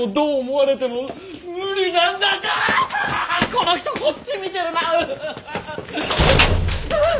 この人こっち見てるなう！